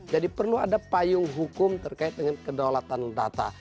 jadi perlu ada payung hukum terkait dengan kedaulatan data